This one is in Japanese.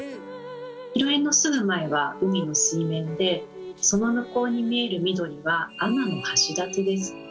広縁のすぐ前は海の水面でその向こうに見える緑は天橋立です。